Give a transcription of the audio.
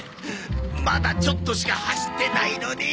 まだちょっとしか走ってないのに！